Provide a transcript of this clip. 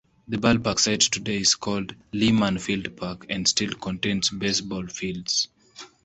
The ballpark site today is called "Leeman Field Park" and still contains baseball fields.